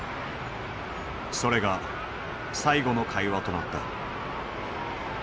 それが最後の会話となった。